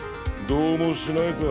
どうもしないさ